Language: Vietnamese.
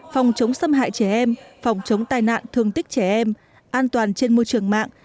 phòng chống xâm hại trẻ em phòng chống tai nạn thương tích trẻ em an toàn trên môi trường mạng